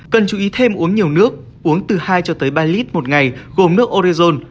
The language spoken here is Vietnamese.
cần chú ý thêm uống nhiều nước uống từ hai ba lít một ngày gồm nước orezone